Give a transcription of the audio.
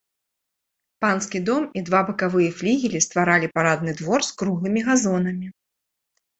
Панскі дом і два бакавыя флігелі стваралі парадны двор з круглымі газонамі.